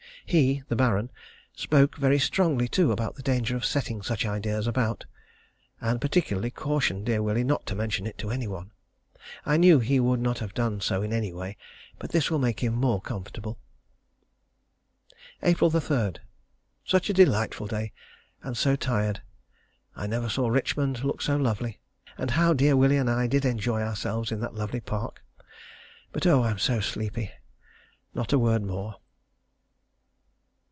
He the Baron spoke very strongly too about the danger of setting such ideas about, and particularly cautioned dear Willie not to mention it to any one. I knew he would not have done so any way, but this will make him more comfortable. April 3. Such a delightful day and so tired. I never saw Richmond look so lovely, and how dear Willie and I did enjoy ourselves in that lovely park. But oh! I am so sleepy. Not a word more.